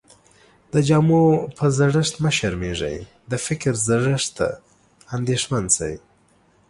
د جامو په زړښت مه شرمېږٸ، د فکر زړښت ته انديښمن سې.